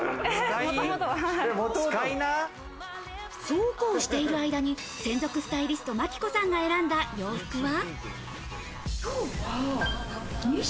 そうこうしてる間に、専属スタイリスト・真紀子さんが選んだ洋服は。